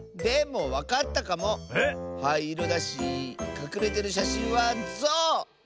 はいいろだしかくれてるしゃしんはゾウ！